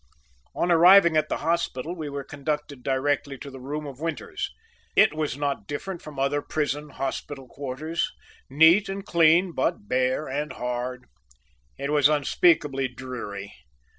On arriving at the hospital we were conducted directly to the room of Winters. It was not different from other prison hospital quarters neat and clean, but bare and hard, it was unspeakably dreary.